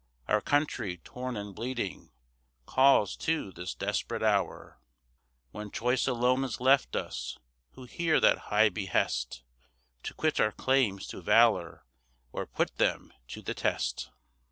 Our country, torn and bleeding, calls to this desperate hour. One choice alone is left us, who hear that high behest To quit our claims to valor, or put them to the test!